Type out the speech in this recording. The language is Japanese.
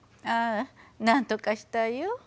ああなんとかしたよ。